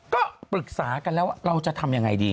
ก็ปรึกษากันแล้วว่าเราจะทำยังไงดี